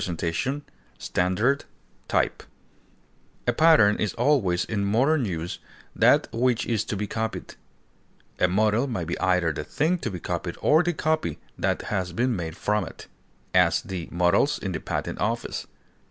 example, mold, A pattern is always, in modern use, that which is to be copied; a model may be either the thing to be copied or the copy that has been made from it; as, the models in the Patent Office.